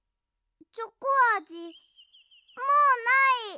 チョコあじもうない！